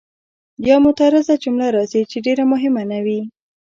یا معترضه جمله راځي چې ډېره مهمه نه وي.